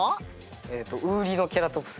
えっとウーリノケラトプス。